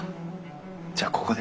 じゃあここで。